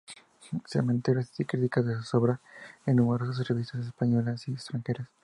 Comentarios y críticas de sus obras en numerosas revistas españolas y extranjeras.